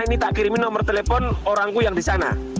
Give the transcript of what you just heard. ini tak kirimin nomor telepon orangku yang di sana